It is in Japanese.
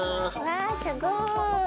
わあすごい！